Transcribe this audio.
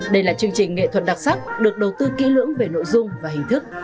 đây là chương trình nghệ thuật đặc sắc được đầu tư kỹ lưỡng về nội dung và hình thức